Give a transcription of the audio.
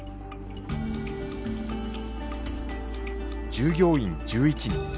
従業員１１人。